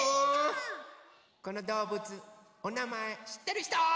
このどうぶつおなまえしってるひと？